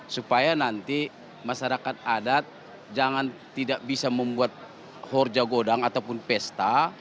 supaya nanti masyarakat adat jangan tidak bisa membuat horja godang ataupun pesta